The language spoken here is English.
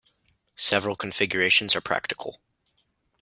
Several configurations are practical.